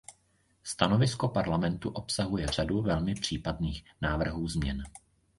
Stanovisko Parlamentu obsahuje řadu velmi případných návrhů změn.